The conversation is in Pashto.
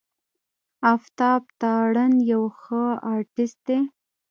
آفتاب تارڼ يو ښه آرټسټ دی.